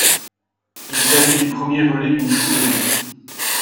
Il s'agit du premier volet d'une trilogie.